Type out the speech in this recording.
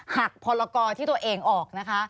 พลกรที่ตัวเองออกนะคะ